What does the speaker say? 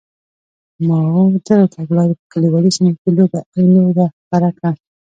ماوو دغې تګلارې په کلیوالي سیمو کې لوږه خپره کړه.